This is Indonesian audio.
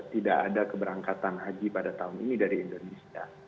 tidak ada keberangkatan haji pada tahun ini dari indonesia